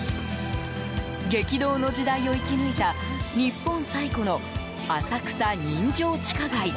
激動の時代を生き抜いた日本最古の浅草人情地下街。